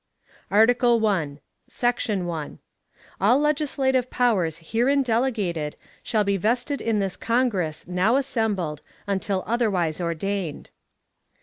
ARTICLE I. Section 1. All legislative powers herein delegated shall be vested in this Congress now assembled until otherwise ordained.